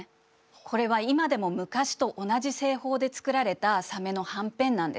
これは今でも昔と同じ製法で作られたサメのはんぺんなんです。